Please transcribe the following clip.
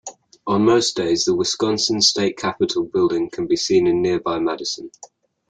On most days the Wisconsin State Capitol building can be seen in nearby Madison.